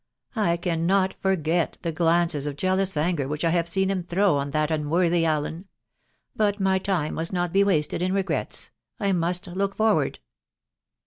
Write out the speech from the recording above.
. I cannot forget the glances of jealous anger which I have seen hint throw on that unworthy Allen .... But my time must not be wasted in regrets ; I must look forward."